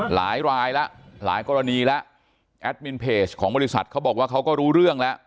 หลายรายแล้วหลายกรณีแล้วแอดมินเพจของบริษัทเขาบอกว่าเขาก็รู้เรื่องแล้ว